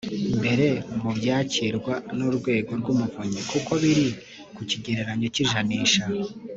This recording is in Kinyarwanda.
mbere mu byakirwa n Urwego rw Umuvunyi kuko biri ku kigereranyo cy ijanisha